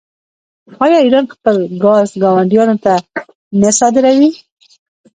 آیا ایران خپل ګاز ګاونډیانو ته نه صادروي؟